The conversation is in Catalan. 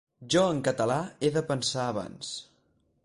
Jo en català he de pensar abans.